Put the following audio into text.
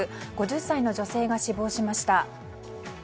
５０歳の女性が死亡しました。